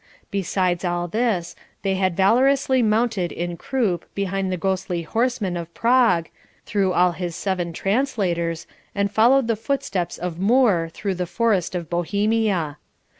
Besides all this, they had valorously mounted en croupe behind the ghostly horseman of Prague, through all his seven translators, and followed the footsteps of Moor through the forest of Bohemia.